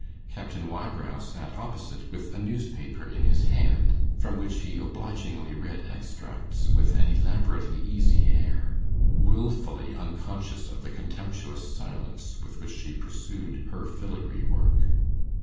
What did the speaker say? Captain Wybrow sat opposite with a newspaper in his hand, from which he obligingly read extracts with an elaborately easy air, wilfully unconscious of the contemptuous silence with which she pursued her filigree work.